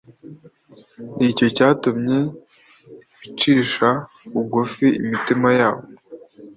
ni cyo cyatumye icishisha bugufi imitima yabo